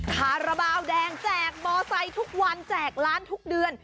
คาราบาลแดงแจกมอไซค์ทุกวันแจกล้านทุกเดือน